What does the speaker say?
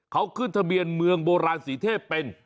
เขาขึ้นทะเบียนเมืองโบราณสีเทพเป็น